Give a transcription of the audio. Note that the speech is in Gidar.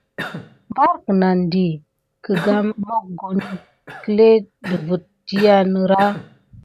Mbar kənandi ? Ke gambit mokoni klele défete diya ne ras.